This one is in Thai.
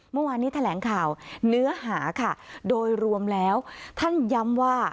เมื่อวานนี้แถลงข่าวเนื้อหาค่ะโดยรวมแล้วท่านย้ำว่า